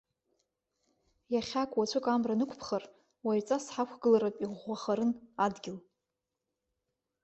Иахьак, уаҵәык амра нықәԥхар, уаҩҵас ҳақәгылартә иӷәӷәахарын адгьыл.